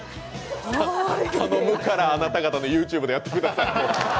頼むからあなた方のＹｏｕＴｕｂｅでやってください。